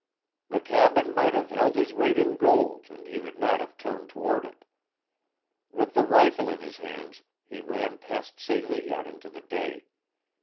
The cabin might have held his weight in gold and he would not have turned toward it. With the rifle in his hands he ran past Celie out into the day.